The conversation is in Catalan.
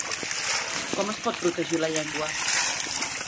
Com es pot protegir la llengua?